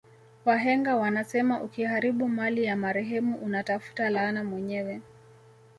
Wahenga wanasema ukiharibu mali ya marehemu una tafuta laana mwenyewe